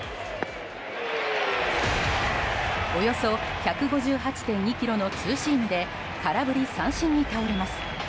およそ１５８．２キロのツーシームで空振り三振に倒れます。